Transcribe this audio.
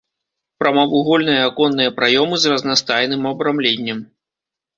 Прамавугольныя аконныя праёмы з разнастайным абрамленнем.